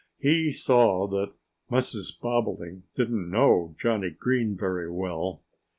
He saw that Mrs. Bobolink didn't know Johnnie Green very well.